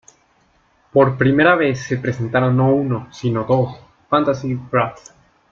Por primera vez se presentaron no uno, si no dos "Fantasy Bras".